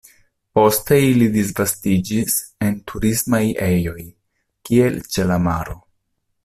Poste ili disvastiĝis en turismaj ejoj, kiel ĉe la maro.